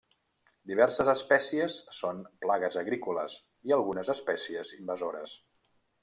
Diverses espècies són plagues agrícoles i algunes espècies invasores.